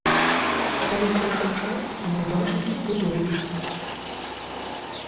Але прайшоў час, і мы бачым тут будоўлю.